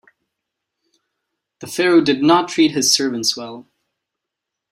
The pharaoh did not treat his servants well.